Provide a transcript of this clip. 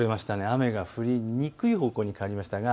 雨が降りにくい方向に変わりました。